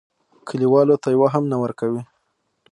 کلیوالو ته یوه هم نه ورکوي.